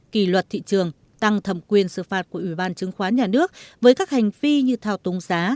kỳ luật thị trường tăng thẩm quyền sửa phạt của ủy ban chứng khoán nhà nước với các hành phi như thảo túng giá